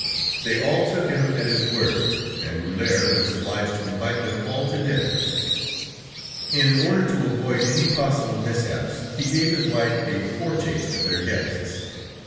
They all took him at his word, and Rulhière was obliged to invite them all to dinner. In order to avoid any possible mishaps, he gave his wife a foretaste of their guests.